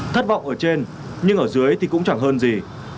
thất vọng ở trên nhưng ở dưới thì cũng chẳng hơn gì